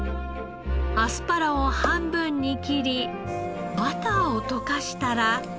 アスパラを半分に切りバターを溶かしたら。